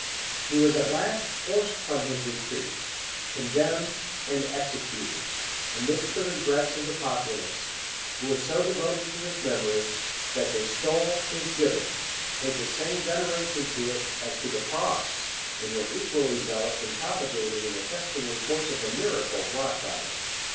He was at last forced from his retreat, condemned, and executed, amidst the regrets of the populace, who were so devoted to his memory, that they stole his gibbet, paid the same veneration to it as to the cross, and were equally zealous in propagating and attesting reports of the miracles wrought by it.